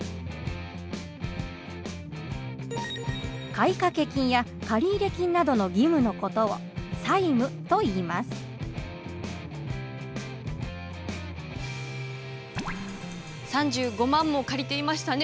買掛金や借入金などの義務の事を３５万も借りていましたね。